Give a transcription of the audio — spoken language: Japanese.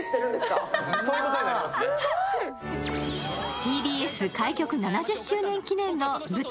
ＴＢＳ開局７０周年記念の舞台